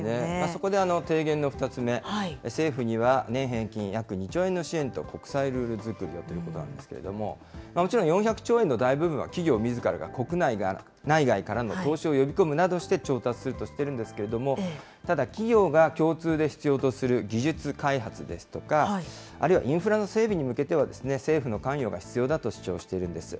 そこで提言の２つ目、政府には年平均約２兆円の支援と国際ルール作りをということなんですけど、もちろん４００兆円の大部分は企業みずからが国内外からの投資を呼び込むなどして調達するとしているんですけれども、ただ企業が共通で必要とする技術開発ですとか、あるいはインフラの整備に向けては、政府の関与が必要だと主張しているんです。